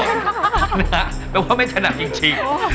แปลว่าไม่ถนัดจริง